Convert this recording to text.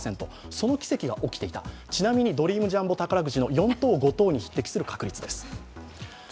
その奇跡が起きていた、ちなみにドリームジャンボ宝くじの５等、４等に匹敵する確率です。